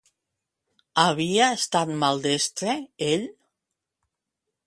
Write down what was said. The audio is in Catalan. Havia estat maldestre. Ell!